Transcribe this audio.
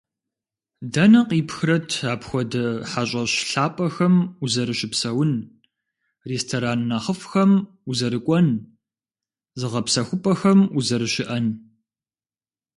Дэнэ къипхрэт апхуэдэ хьэщӀэщ лъапӀэхэм узэрыщыпсэун, ресторан нэхъыфӀхэм узэрыкӀуэн, зыгъэпсэхупӀэхэм узэрыщыӀэн?